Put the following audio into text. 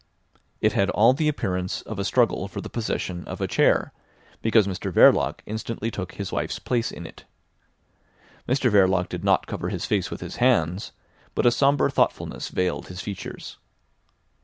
It all had the appearance of a struggle for the possession of a chair, because Mr Verloc instantly took his wife's place in it. Mr Verloc did not cover his face with his hands, but a sombre thoughtfulness veiled his features.